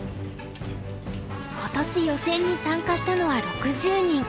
今年予選に参加したのは６０人。